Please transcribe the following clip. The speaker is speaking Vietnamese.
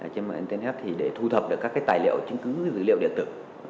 trên mạng internet thì để thu thập được các cái tài liệu chứng cứ dữ liệu địa tử